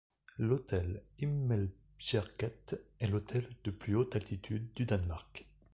L'hôtel Himmelbjerget est l'hôtel de plus haute altitude du Danemark.